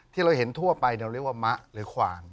ที่เราเห็นทั่วไปเราเรียกว่ามะหรือขวาง